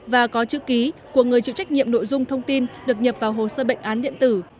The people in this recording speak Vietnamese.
và có chữ ký của người chịu trách nhiệm nội dung thông tin được nhập vào hồ sơ bệnh án điện tử